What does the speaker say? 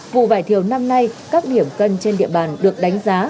vụ vải thiều năm nay các điểm cân trên địa bàn được đánh giá